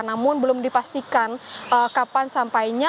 namun belum dipastikan kapan sampainya